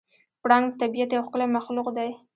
پړانګ د طبیعت یو ښکلی مخلوق دی.